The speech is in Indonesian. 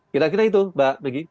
kira kira itu mbak meggy